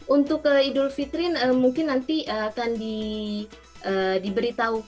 untuk idul fitrin mungkin nanti akan diberitahukan